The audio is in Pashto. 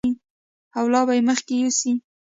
او لا به یې مخکې یوسي.